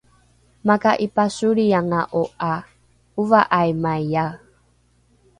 maka’ipasolrianga’o ’a ova’aimaiae